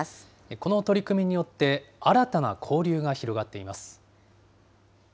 この取り組みによって、新たな交流が広がっています。